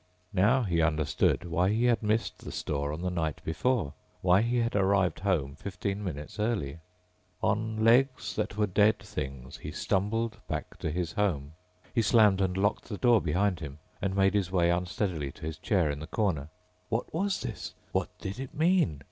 _ Now he understood why he had missed the store on the night before, why he had arrived home fifteen minutes early. On legs that were dead things he stumbled back to his home. He slammed and locked the door behind him and made his way unsteadily to his chair in the corner. What was this? What did it mean?